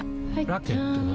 ラケットは？